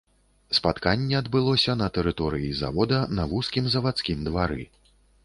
Спатканне адбылося на тэрыторыі завода, на вузкім заводскім двары.